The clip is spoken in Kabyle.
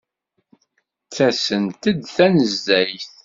Ttasent-d tanezzayt.